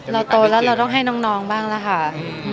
เราโตแล้วเราต้องให้น้องบ้างล่ะค่ะ